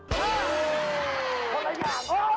คนละอย่าง